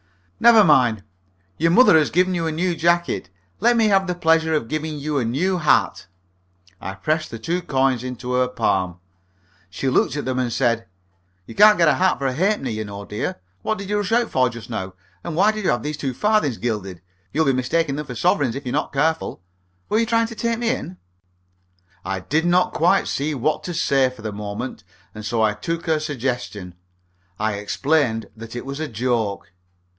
"Never mind. Your mother has given you a new jacket. Let me have the pleasure of giving you a new hat." I pressed the two coins into her palm. She looked at them, and said, "You can't get a hat for a halfpenny, you know, dear. What did you rush out for just now? And why did you have these two farthings gilded? You'll be mistaking them for sovereigns, if you're not careful. Were you trying to take me in?" I did not quite see what to say for the moment, and so I took her suggestion. I explained that it was a joke.